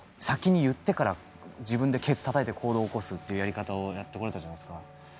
先に言ってから自分でケツたたいて行動を起こすっていうやり方をやってこられたじゃないですか。